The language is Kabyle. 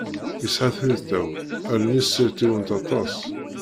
Yesɛa tirtaw, allen-is ssirtiwent aṭas.